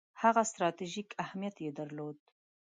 هغه ستراتیژیک اهمیت یې درلود.